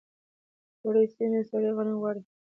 سړې سیمې سړې غنم غواړي.